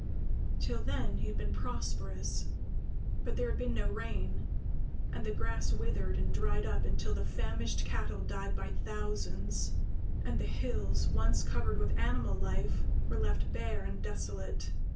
Till then he had been prosperous; but there had been no rain, and the grass withered and dried up until the famished cattle died by thousands, and the hills, once covered with animal life, were left bare and desolate.